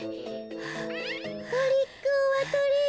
トリックオアトリート。